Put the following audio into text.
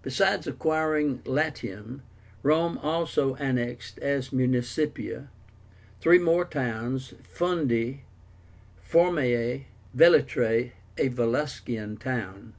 Besides acquiring Latium, Rome also annexed, as municipia, three more towns, Fundi, Formiae, and Velítrae, a Volscian town.